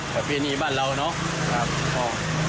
กาแฟนีบ้านเราเนาะครับพี่พ่อ